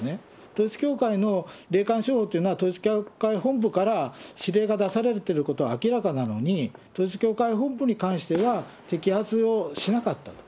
統一教会の霊感商法というのは、統一教会本部から指令が出されてることは明らかなのに、統一教会本部に関しては、摘発をしなかったと。